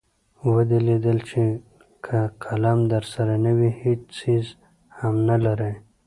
ودې لیدل چې که قلم درسره نه وي هېڅ څیز هم نلرئ.